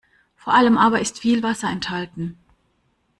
Vor allem aber ist viel Wasser enthalten.